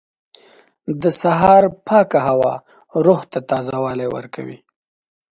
• د سهار پاکه هوا روح ته تازهوالی ورکوي.